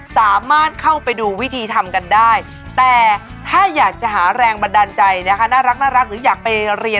สามารถเข้าไปดูวิธีทำกันได้แต่ถ้าอยากจะหารแรงบันดาลใจ